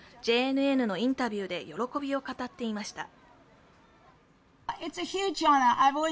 ＪＮＮのインタビューで喜びを語っていました。